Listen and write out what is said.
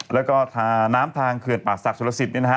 แล้วก็ทางน้ำทางคืนปากศักดิ์ชัวรศิษย์เนี้ยนะฮะ